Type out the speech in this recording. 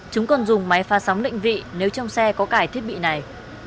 chúng còn dùng máy phá sóng lịnh vị nếu trong xe có cải thiết bị này